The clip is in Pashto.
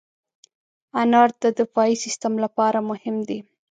انار د دفاعي سیستم لپاره مهم دی.